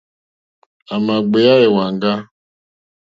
À mà gbèyá èwàŋgá.